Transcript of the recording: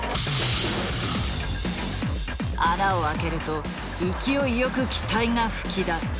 穴を開けると勢いよく気体が噴き出す。